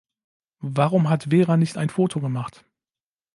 Warum hat Vera nicht ein Foto gemacht?